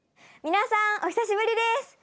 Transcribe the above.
皆さんお久しぶりです。